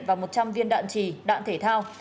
và một trăm linh viên đạn trì đạn thể thao